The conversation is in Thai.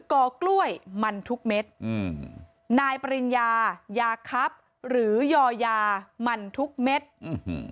กอกล้วยมันทุกเม็ดอืมนายปริญญายาครับหรือยอยามันทุกเม็ดอื้อหือ